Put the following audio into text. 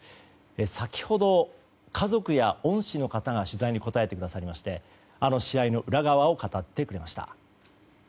先ほど、家族や恩師の方が取材に答えてくださりましてあの試合の裏側を語ってくれました。